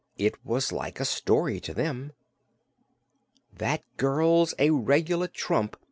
It was like a story to them. "That girl's a reg'lar trump!"